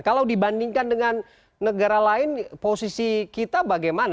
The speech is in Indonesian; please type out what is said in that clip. kalau dibandingkan dengan negara lain posisi kita bagaimana